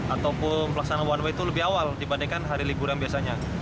ataupun pelaksanaan one way itu lebih awal dibandingkan hari liburan biasanya